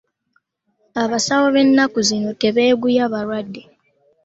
Abasawo b'enaku zino tebeeguya balwadde.